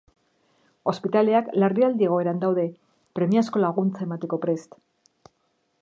Ospitaleak larrialdi egoeran daude, premiazko laguntza emateko prest.